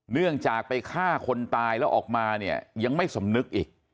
เนื่องจากไปฆ่าคนตายแล้วออกมาเนี่ยยังไม่สำนึกอีก